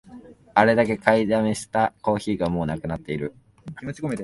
あれだけ買いだめしたコーヒーがもうなくなってる